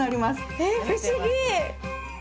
え不思議！